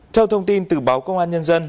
theo thông tin từ báo công an nhân dân